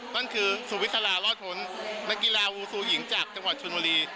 นั่นคือสุวิสลารอดพ้นนักกีฬาวูซูหญิงจากจังหวัดชนบุรี